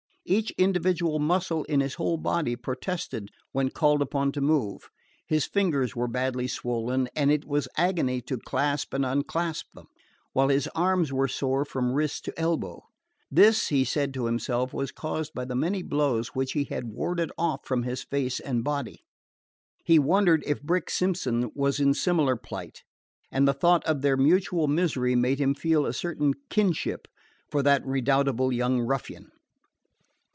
Each individual muscle in his whole body protested when called upon to move. His fingers were badly swollen, and it was agony to clasp and unclasp them; while his arms were sore from wrist to elbow. This, he said to himself, was caused by the many blows which he had warded off from his face and body. He wondered if Brick Simpson was in similar plight, and the thought of their mutual misery made him feel a certain kinship for that redoubtable young ruffian.